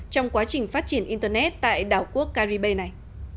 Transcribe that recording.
trong quá trình phát triển internet tại đảo quốc caribe này